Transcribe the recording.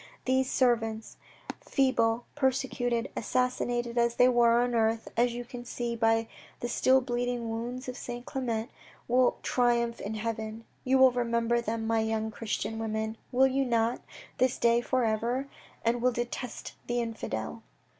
These servants, A KING AT VERRIERES 115 feeble, persecuted, assassinated as they were on earth, as you can see by the still bleeding wounds of Saint Clement, will triumph in Heaven. You will remember them, my young Christian women, will you not, this day for ever, and will detest the infidel.